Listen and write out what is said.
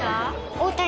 大谷。